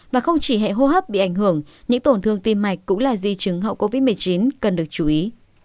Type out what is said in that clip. và không chỉ hệ hô hấp bị ảnh hưởng những tổn thương tim mạch cũng là di chứng hậu covid một mươi chín cần được chú ý